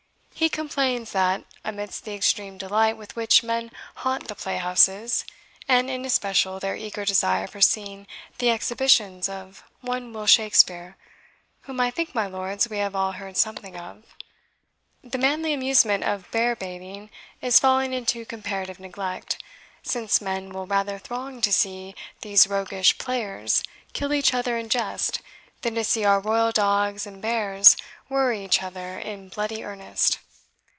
He complains that, amidst the extreme delight with which men haunt the play houses, and in especial their eager desire for seeing the exhibitions of one Will Shakespeare (whom I think, my lords, we have all heard something of), the manly amusement of bear baiting is falling into comparative neglect, since men will rather throng to see these roguish players kill each other in jest, than to see our royal dogs and bears worry each other in bloody earnest.